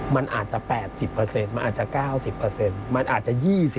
มันอาจจะ๘๐มันอาจจะ๙๐มันอาจจะ๒๐